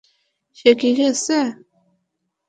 সে কি গেছে?